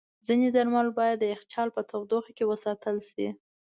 ځینې درمل باید د یخچال په تودوخه کې وساتل شي.